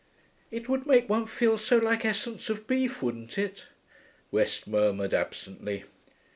('It would make one feel so like essence of beef, wouldn't it?' West murmured absently.)